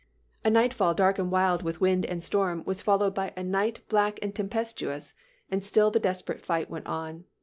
"A nightfall dark and wild with wind and storm was followed by a night black and tempestuous, and still the desperate fight went on.